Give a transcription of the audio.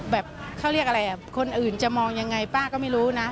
แบบเขาเรียกอะไรอ่ะคนอื่นจะมองยังไงป้าก็ไม่รู้นะ